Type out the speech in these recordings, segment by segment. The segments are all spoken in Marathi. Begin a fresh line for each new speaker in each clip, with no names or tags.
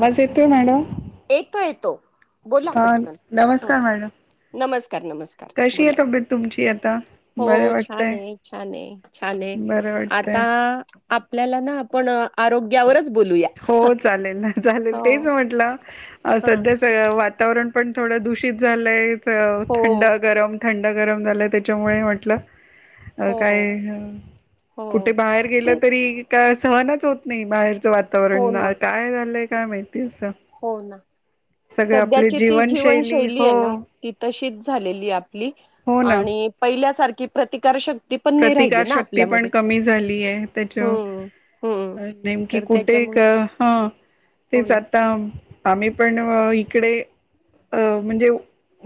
वाज येतोय मॅडम?
येतो येतो बोला
हा
पटकन हूं!
नमस्कार मॅडम
नमस्कार, नमस्कार
कशी आहे
बोला
तब्येत तुमची आता
हो
बरं
छान
वाटतय
हे. छान हे, छान हे
बरं
आता
वाटतय
आपल्याला ना आपण आरोग्यावरच बोलूया.
हो चालेल ना चालेल
हो
तेच म्हटलं अ
ह
सध्या त वातावरण पण थोडं दूषित झालंय. त
हो
थंड गरम, थंड गरम झालंय त्याच्यामुळे म्हटलं. अ
हो
काय
हो
कुठे बाहेर गेलं
ते
तरी का सहनच होत नाही बाहेरचं
हो
वातावरण
ना
काय झालंय काय माहित. तेंच ना
हो ना
सगळे आपली
सध्याची ती
जीवनशैली हो.
आहे ना ती तशीच झालेली आपली,
हो
आणि पहिल्यासारखी प्रतिकार शक
प्रतिकार शक्ती पण कमी झाली आहे,
हम्म हम्म
त्याच्या नेमकी
तर
कुठे
त्याच्यामुळे
क ह
हो
तेच
ना
आता आम्ही पण इकडे अ म्हणजे.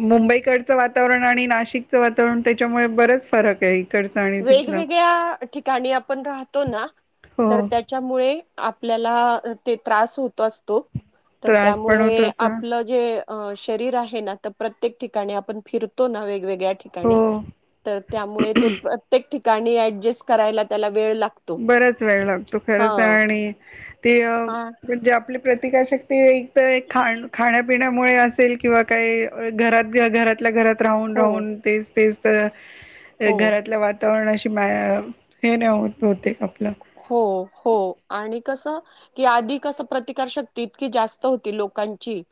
मुंबईकडचं वातावरण आणि नाशिकचं वातावरण त्याच्यामुळे बरच फरक आहे इकड.
वेगवेगळ्या ठिकाणी आपण राहतो ना तर
हो
त्या च्या मुळे आपल्याला ते त्रास होत असतो तर
त्रास पण होत
त्यामुळे
होता
आपलं जे शरीर आहे ना तर प्रत्येक ठिकाणी आपण फिर तो ना वेगवेगळ्या
हो.
ठिकाणी तर त्यामुळे ते प्र ठिकानी अडजस्ट करायला त्याला वेळ लाग
बराच वेळ लागतो खरंच आहे आणि ते
आ
म्हणजे आपले. प्रतिकारशक्ती एक तर एक खा खाण्यापिण्यामुळे असेल किंवा काही घरात बी अ घरातल्या घरात. राहून
हो
राहून, तेच तेच त
हो.
घरातल्या वाता तावरणाशी म्या हे नाही होत होते आपलं.
हो हो आणि कस. की आधी कसं प्रतिकार शक्ती इतकी जास्त होती लोकांची.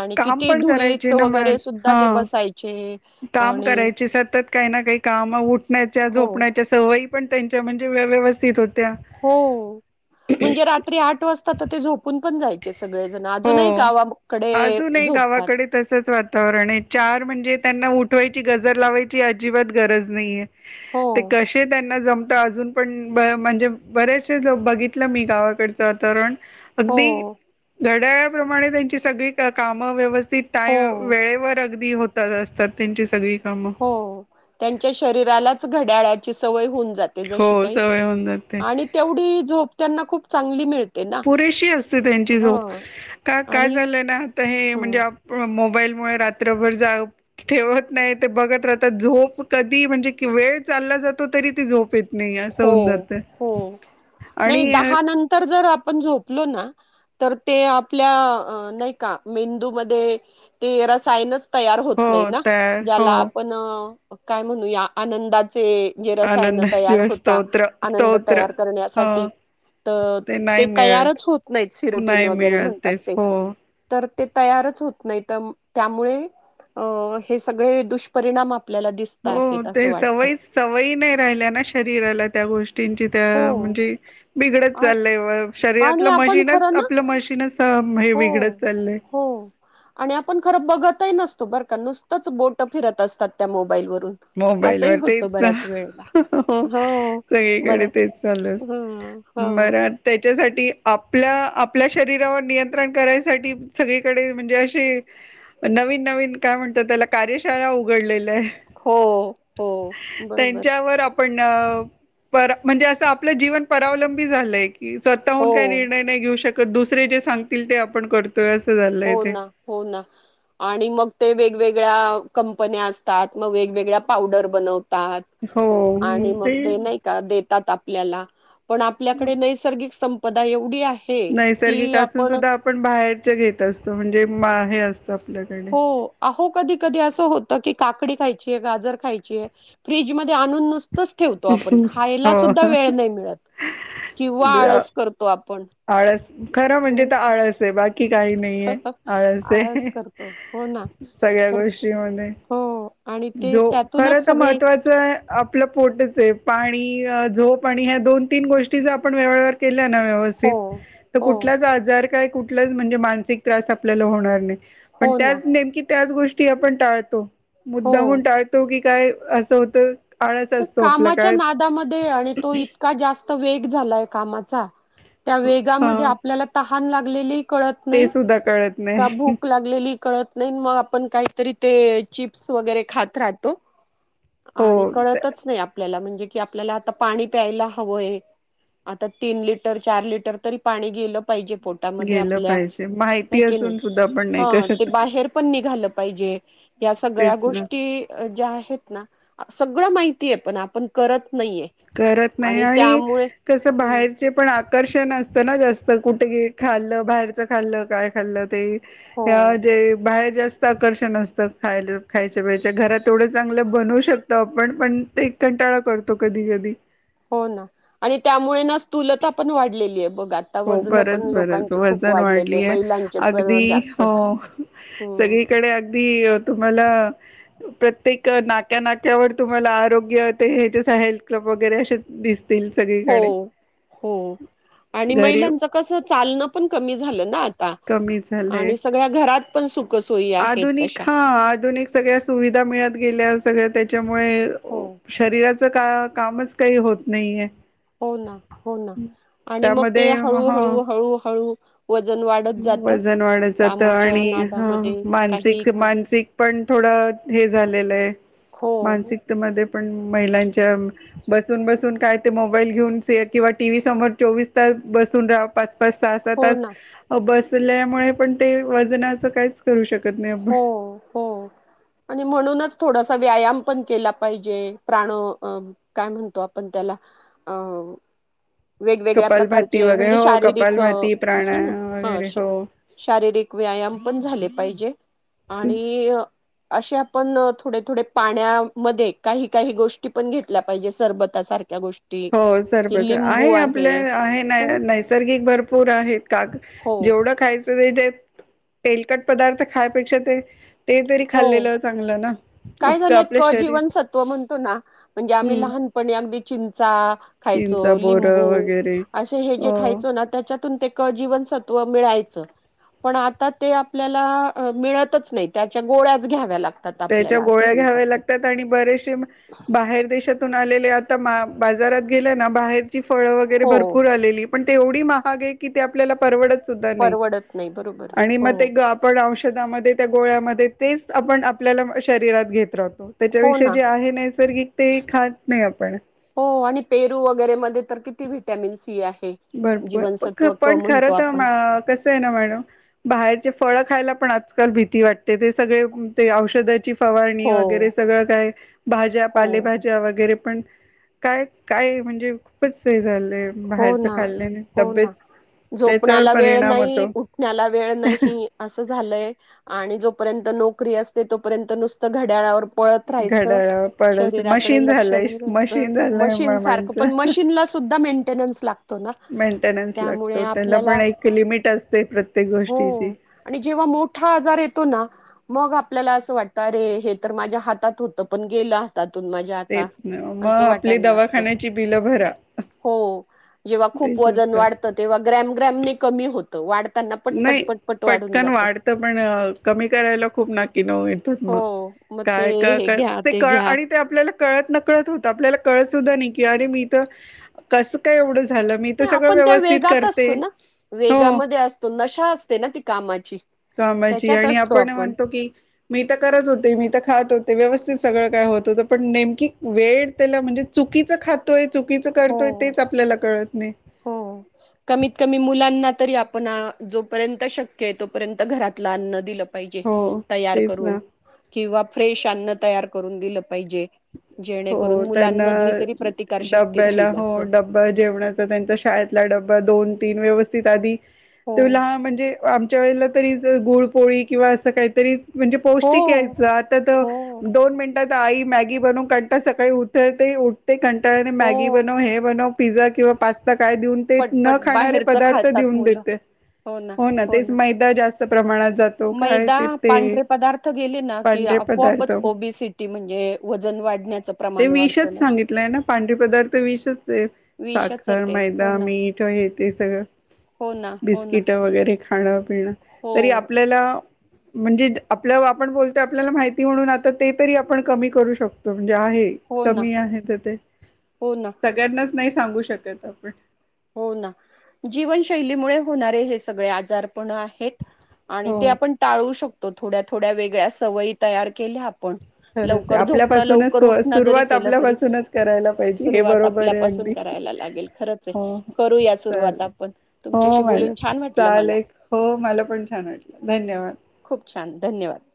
आणि
काम
किती
पण
धुळीत
करायचे ना
वगैरे
मॅड
सुद्धा ते
हा
बसायचे
काम
आणि.
करायचे सतत काही ना काही काम उठण्याच्या
हो
झोपण्याच्या सवयी पण त्यांच्या म्हणजे व्य व्यवस्थित होत्या.
हो म्हणजे रात्री आठ वाजता तर ते झोप पून पण जायचे सगळेजण,
हो
अजूनही गावाकडे झोपतात.
तसंच वातावरण आहे, चार म्हणजे त्यांना उठवायची गजर लावायची अजिबात गरज नाहीेये.
हो
ते कश. ते त्यांना जमतं अजून पण ब म्हणजे बरेचसे लोक बघितलं मी गावाकडचं वातावरण.
हो
अगदी घड्याळप्रमाणे त्यांची सगळी क काम व्यवस्थित
हो
टाईम वेळेवर अगदी होत तज असतात त्यांची सगळी कामं
हो त्यांच्या शरीरालाच घड्याळाची सवय होऊन जात ते जशी
हो
काई
सवय होऊन जाते
आणि तेवढी झोप त्यांना खूप चांगली मिळ
पुरेशी असते त्यांची झोप का काय
आणि
चाललंय ना आता हे
ह
म्हणजे आप प मोबाईलमुळे रात्रभर जाग ठेवत नाही ते बघत राहतात झोप कधी म्हणजे की वेळ चालला जातो तरी ती झोप येत नाही असं
हो
होऊन जात
हो
आणि
नाही दहा नंतर जर आपण झोपलो ना तर ते आपल्या नय का मेंदूमध्ये ते रसायनच तयार होत
हो
नाही ना
तयार हो
ज्याला आपण काय म्हणूया आनंदाचे जे रसायन तयार
आनंदाचे
होता
स्तोत्र
आनंद
स्तोत्र
तयार
हो
करण्यासाठी त
नाही
ते
मिळत
तयारच होत नाहीत सिरोटीन
नाही
वगैरे
मिळत
म्हणतात
तेच
ते
हो
तर ते तयारच होत नाही तमं त्यामुळे अ हे सगळे दुष्परिणाम आपल्याला दिस
हो ते सवयीच सवयी नाय राहिल्या ना शरीराला त्या गोष्टींची त्या
हो
म्हणजे बिघडत
आ
चाललंय म
आणि
शरीरातलं
आपण
मशीनच
खरं ना
आपलं मशीनच अ हे
हो
बिघडत चाललंय.
हो आणि आपण खरं बघत ही नसतो बरं का नुसतंच बोट फिरत असतात त्या मोबाईलवरून
मोबाईल वर तेच हो
हो
सगळीकडे
बरं
तेच चालु ये.
ह ह
बरा त्याच्यासाठी आपल्या आपल्या शरीरावर नियं त्रण करायसाठी सगळीकडे म्हणजे असे नवीन नवीन काय म्हणतो त्याला कार्यशाळा उघडलेल्या ये.
हो. हो बरोबर
त्यांच्यावर आपण अ पर म्हणजे असं आपलं जीवन परावलंबी झालंय. की
हो
स्वतःहून कायं निर्णय नाही घेऊ शकत दुसरे जे सांगतील ते आपण करतोय असं
हो
झालंयं ते
ना हो ना आणि मग ते वेगवेगळ्या कंपन्या असतात म वेगवेगळ्या पावडर बनव तात आणि मग ते नायं त्या देतात आपल्याला पण आपल्याकडे नैसर्गिक संपदा एवढी आह
नैसर्गिक असून सुद्धा आपण बाहेरचे घेत असतो म्हणजे म हे असत आपल्याक
हो. अहो कधी कधी असं होत की काकडी खायचीये गाजर खायचीये फ्रीज मध्ये आणून नुस तच ठेवतो आपण खायला
हो
सुद्धा वेळ नाही मिळत किंवा आळस करतो आपण
आळस खरं म्हणजे त
मग
आळस ते बाकी काही नाहीये आळसये
आळस करतो हो ना
सगळ्या
तर
गोष्टी मध्ये
हो आणि ते
जो खरं
त्यातूनच
त
सगळी
महत्त्वा चं आपलं पोटच ये पाणी, झोप आणि ह्या दोन तीन गोष्टीच जर आपण वेळेवर केल्या ना
हो
व्यवस्थित त
हो
कुठलाच आजार काय कुठ कुठलाच म्हणजे मानसिक त्रास आपल्याला होणार नाही पण
हो ना
त्याच नेमकी त्याच गोष्टी आपण टाळतो.
हो
मुद्दामून टाळतो की काय असं होतं आळस असतो आपल्या कायंत
नाय आणि तो इत का जास्त वेग झालाय कामाचा त्या वेगामध्ये
हां,
आपल्याला तहान लागलेली कळत
ते
नाही
सुद्धा कळत नाही.
का भुक लाग लेली कळत नाही नं म आप काहीतरी ते चिप्स वगैरे खात राहतो.
हो,
आणि
त
कळतच नाही आपल्याला म्हणजे कि आपल्याला आता पाणी प्यायला हवय आता तीन लिटर, चार लिटर तरी पाणी गेलं पाहिजे. पोटामध्ये
गेलं
आपल्या
पाहिजे.
आहे
माहिती
की
असून
नाही
सुद्धा आपण नाही
ते
करत.
बाहेर पण निघालं पाहिजे या सगळ्या
तेच ना.
गोष्टी ज्या आहेत ना सगळं माहितीय पण आपण करत नाहीये.
करत नाही आणि कस
हम्म,
बाहेरचे पण आकर्षण असतना जास्त कुठे खाल्लं, बाहेरचं खाल्लं, काय खाल्लं ते.
हो
ह्या जे बाहेर जास्त बाहेरच आकर्षण असतं खायला खायच्या, पियच्या घरात तेवढं चांगलं बनवू शकतो आपण पण ते कंटाळा करतो कधी, कधी
हो ना आणि त्यामुळे ना स्थुलता पण वाढलेली आहे बघा
हो बरच, बरच वजन
आहे.
वाढलीय
महिलांचेच अ,
अगदी हो
जास्तच हम्म
सगळी कडे अगदी तुम्हाला प्रत्येक नाक्या, नाक्यावर तुम्हाला आरोग्य ते हे जस हेल्थ क्लब वगैरे अस दिसत तिल सगळे.
हो, हो आणि
घरी
महिलांचं कस चालण पण कमी झालं ना आता.
कमी झालंय
आणि सगळ्या घरात पण सुखसोयी आहेत
आधुनिक
तशा.
हा आधुनिक सगळ्या सुविधा मिळत गेल्या सगळ्या त्याच्यामुळे
हो
शरीरात का कामच काही होत नाही आहे.
हो ना, हो ना आणि मग ते
त्यामध्ये
हळू,
ह
हळू, हळू, हळू वजन वाढ
वजन वाढ जात आणि ह
नादामध्ये काही
मानसिक,
काही.
मानसिक पण थोडं हे झालेलं आहे
हो
मानसिकतेमध्ये पण महिलांच्या बसून, बसून काय ते मोबाईल घेऊन किंवा टीव्ही समोर चोवीस तास बसून राहा सहा, सहा
हो
तास
ना
बसल्यामुळे पण ते वजनाचं काहीच करू शकत नाही आपण.
हो हो. आणि म्हणूनच थोडासा व्यायाम पण केला पाहिजे प्राण काय म्हणतो आपण त्याला अ वेगवेगळ्या
कपालभाती
प्रकारचे
वगैरे
म्हणजे
हो
शारीरिक
कपालभाती
आहे ना
प्राणायाम
ह
वगैरे हो
शारीरिक व्यायाम पण झाले पाहिजे आणि असे आपण थोडे, थोडे पाण्यामध्ये काही, काही गोष्टी पण घेतल्या पाहिजे सरबत सारख्या गोष्टी
हो सरब
कि लिंबू
आहे आपल्या आहे न नैसर्गिक भरपूर आहेत काग
हो
जेवढं खायचं जे तेलकट पदार्थ खायपेक्षा ते ते तरी
हो
खाल्लेलं चांगलं ना.
काय झालंय
आपल्या
क
शरीर
जीवनसत्व म्हणतो ना म्हणजे आम्ही
हम्म
लहानपणी अगदी चिंचा खायचो
चिंचा बोर
लिंबू
वगैरे
असे हे जे
हो
खायचो ना त्याच्यातून ते क जीवनसत्व मिळायचं पण आता ते आपल्याला मिळतच नाही त्याच्या गोळ्याच घ्याव्या लागतात.
त्याच्या
आपल्याला असं
गोळ्या
होऊन
घ्याव्या
जातं
लागतात आणि बरेचसे बाहेर देशात आलेले आता मा बाजारात गेल्या ना बाहेरची फळं वगैरे
हो
भरपूर आलेली. पण ते एवढी महाग आहे की ते आपल्याला परवडत सुद्धा नाही
परवडत नाही बरोबर
आणि
हो
मग ते आपण औषधामध्ये त्या गोळ्यामध्ये तेच आपण आपल्याला शरीरात घेत राहतो.
हो
त्याच्यापेक्षा
ना
जे आहे नैसर्गिक ते खात नाही आपण.
हो आणि पेरू वगैरे मध्ये तर किती व्हटॅमिन सी आहे.
भरपूर
जीवनसत्व क
पण खरं
म्हणतो
तर
आपण
कसं आहे ना मॅडम बाहेरचे फळं खायला पण आज काल भीती वाटते ते सगळे ते औषधाची फवारणी
हो
वगैरे सगळं काय भाज्या,
हो
पालेभाज्या वगरे पण काय काय म्हणजे खूपच झालंय बाहेर
हो ना
त्याच्यावर
झोपण्याला वेळ
परिणाम
नाही,
होतो
उठण्याला वेळ नाही. असं झालंय आणि जोपर्यंत नोकरी असते, तोपर्यंत नुसतं घड्याळावर पळत राहायच
घड्याळ पडस
शरीराकडे
मशीन
लक्ष
झालंय
नाही द्यायचं
मशीन झालंय
मशीन
मा-
सारखं पण
माणसं
मशीनला सुद्धा मेंटेनन लागतो ना
मेंटेनन्स
त्यामुळे
लागतो त्याला
आपल्याला
पण एक लिमिट असते प्रत्येक
हो
गोष्टीची
आणि जेव्हा मोठा आजार येतो ना मग आपल्याला असं वाटतं, अरे हे तर माझ्या हातात होतं पण गेलं त्यातून माझ्या आता
तेच ना मग,
असं
आपली
वाटायला लागतं
दवाखान्याची बिलं भरा.
हो, जेव्हा खूप
तेच
वजन
असतं
वाढतं तेव्हा ग्रॅम-ग्रॅमने कमी होत त वाढताना पटपट-पटपट वाढून जातं.
तर पण कमी करायला खूप नाकी नऊ ये मग
हो मग ते
काय का
हे
काय
घ्या
ते क
घ्या
आणि, ते आपल्याला कळत नकळत होत, आपल्याला कळत सुद्धा नाही की अरे मी तर कसं काय एवढं झालं मी तर
नाई
सगळं
आपण त्या
व्यवस्थित
वेगात
करते
असतो ना?
हो
वेगामध्ये असतो, नशा असते ना ती कामाची.
कामाची
त्याच्यात
आणि
असतो
आपण म्हणतो की मी तर करत होते मी तर खात होते व्यवस्थित सगळं काय होत होतं पण नेमकी वेळ त्याला म्हणजे चुकीचं खातोय चुकीचं
हो
करतोय तेच आपल्याला कळत नाही.
हो. कमीत कमी मुलांना तरी आपण जोपर्यंत शक्य आहे तोपर्यंत घरातलं अन्न दिलं पाहिजे
हो
तयार
तेच
करून
ना
किंवा, फ्रेश अन्न तयार करून दिलं पाहिजे. जेणेकरून
हो त्यांना
मुलांमधली तरी प्रतिकार शक्ती
डब्याला
राहील
हो
असं
जेवणाचा त्यांचा शाळेतला डबा दोन तीन व्यवस्थित आधी-
हो
तुला म्हणजे आमच्या वेळेला तरी गुळ-पोळी किंवा असं काहीतरी म्हणजे पौष्टिक
हो
यायचं आता तर
हो
दोन मिनिटात आई मॅग मॅगी बनव कंटाळते सकाळी उतरते उठते कंटाळने मॅगी
हो
बनव हे बनव पिझ्झा किंवा पास्ता काय देऊन ते न
पटपट
खाणारे
बाहेरच
पदार्थ
खातात
देऊन
मुलं
देते हो ना तेच मैदा जास्त प्रमाणात जात
मैदा पांढरे पदार्थ गेले ना की
पांढरे पदार्थ
आपोआपच ओबीसी तेी म्हणजे वजन वाढण्याचं
ते
प्रमाण वाढतं
विषच
ना
सांगितलंय ना पांढरी पदार्थ विषच आहे.
विषच
साखर
येते हो
मैदा
ना
मीठ हे ते सगळं.
हो ना हो ना
बिस्किट वगैरे खाणं पिणं
हो
तरी आपल्याला. म्हणजे आपल्या आपण बोलतोय आपल्याला माहिती म्हणून आता ते तरी आपण कमी करू शकतो. तो म्हणजे आहे
हो ना
कमी आहे तर ते
हो ना
सगळ्यांनाच नाही सांगू शकत आपण,
हो ना जीवनशैलीमुळे होणारे हे सगळे आजार पण आहेत. आणि ते
हो
आपण टाळू शकतो, थोड्या थोड्या वेगळ्या सवयी तयार केल्या आपण.
खरंच आहे
लवकर झोपण
आपल्यापासूनच
लवकर
सु
उठण जरी
सुरुवात
केलं तरी,
आपल्यापासूनच करायला पाहिजे हे
सुरुवात
बरोबर आहे
आपल्यापासून
अगदी
करायला लागेल. नाही खरंचय ख
हो
करूया सुरुवात
चालेल
आपण
हो
तुमच्याशी बोलून
मॅडम
छान वाटल मला
चालेल हो मला पण छान वाटलं धन्यवाद
खूप छान, धन्यवाद.